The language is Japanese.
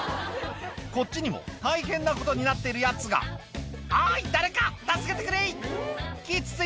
こっちにも大変なことになっているやつが「おい誰か助けてくれい！